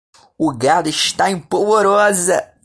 O gado está em polvorosa